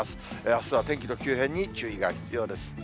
あすは天気の急変に注意が必要です。